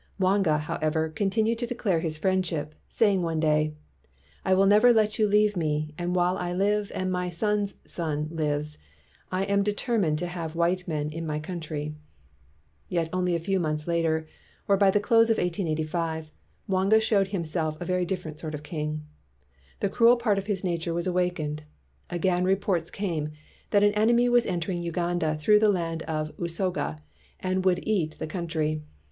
Mwanga, how ever, continued to declare his friendship, saying one day : "I will never let you leave me; and while I live, and my son's son lives, I am determined to have white men in my country. '' Yet only a few months later, or by the close of 1885, Mwanga showed himself a very different sort of king. The cruel part of his nature was awakened. Again re ports came that an enemy was entering Uganda through the land of Usoga and would "eat" the country.